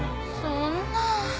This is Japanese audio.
そんな。